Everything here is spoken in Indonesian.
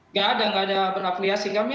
tidak ada tidak ada berafiliasi kami